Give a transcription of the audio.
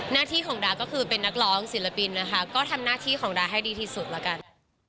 หน้าที่ของดาก็คือเป็นนักร้องศิลปินนะคะก็ทำหน้าที่ของดาให้ดีที่สุดแล้วกัน